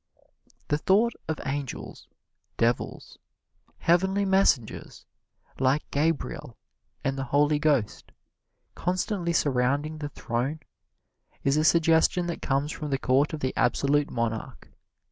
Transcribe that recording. The thought of angels, devils, heavenly messengers, like Gabriel and the Holy Ghost, constantly surrounding the Throne, is a suggestion that comes from the court of the absolute monarch.